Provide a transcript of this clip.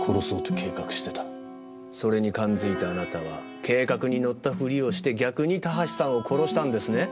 それに感づいたあなたは計画に乗ったふりをして逆に田橋さんを殺したんですね？